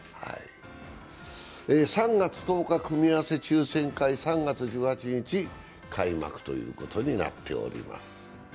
３月１０日、組み合わせ抽せん会、３月１８日、開幕となっております。